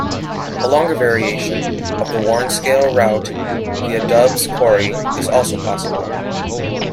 A longer variation of the Warnscale route via Dubs Quarry is also possible.